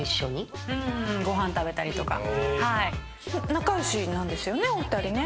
仲良しなんですよねお二人ね。